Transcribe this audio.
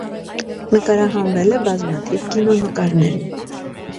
Նկարահանվել է բազմաթիվ կինոնկարներում։